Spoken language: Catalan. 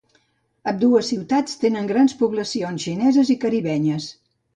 Ambdues ciutats tenen grans poblacions xineses i caribenyes.